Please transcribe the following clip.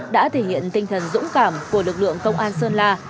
đã thể hiện tinh thần dũng cảm của lực lượng công an sơn la